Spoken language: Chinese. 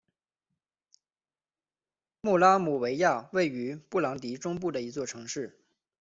穆拉姆维亚位于布隆迪中部的一座城市。